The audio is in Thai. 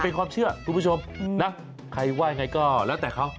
เป็นความเชื่อคุณผู้ชมนะใครว่ายังไงก็แล้วแต่เขา